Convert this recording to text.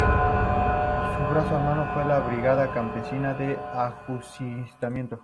Su brazo armado fue la Brigada Campesina de Ajusticiamiento.